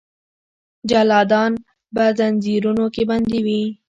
جلادان به ځنځیرونو کې بندي وي.